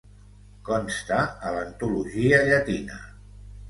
Consta a l'antologia llatina.